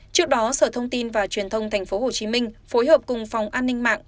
trước đó sở thông tin và truyền thông tp hcm phối hợp cùng phòng an ninh mạng